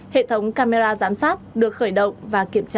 hệ thống camera giám sát được khởi động và kiểm tra